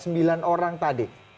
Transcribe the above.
sembilan orang tadi